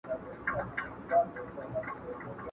چي زر وي، زاري نسته.